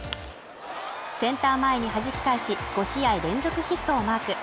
センター前にはじき返し、５試合連続ヒットをマーク。